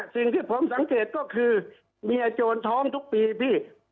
สิ่งที่ผมสังเกตก็คือเมียโจรท้องทุกปีพี่